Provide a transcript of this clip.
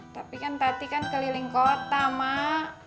tapi kan tadi kan keliling kota mak